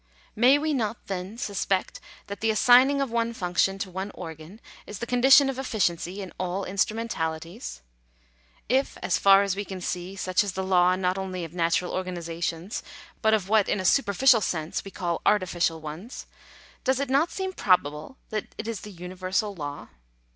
May we not, then, suspect that the assigning of one function to one organ, is the condition of efficiency in all instrumentali ties ? If, as far as we can see, such is the law not only of natural organizations, but of what, in a superficial sense, we call artificial ones, does it not seem probable that it is the uni versal law